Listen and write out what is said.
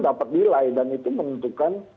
dapat nilai dan itu menentukan